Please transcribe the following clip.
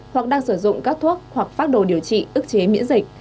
hoặc đang sử dụng các thuốc hoặc phác đồ điều trị ức chế miễn dịch